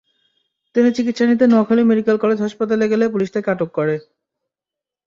তিনি চিকিত্সা নিতে নোয়াখালী মেডিকেল কলেজ হাসপাতালে গেলে পুলিশ তাঁকে আটক করে।